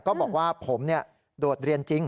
ก็บอกว่าผมโดดเรียนจริง